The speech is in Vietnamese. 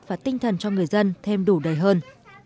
và tinh thần cho người dân thêm đủ đầy hơn